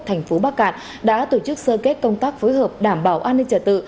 thành phố bắc cạn đã tổ chức sơ kết công tác phối hợp đảm bảo an ninh trật tự